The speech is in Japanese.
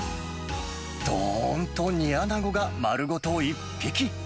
どーんと煮アナゴが丸ごと１匹。